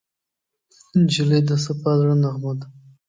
نجلۍ د صفا زړه نغمه ده.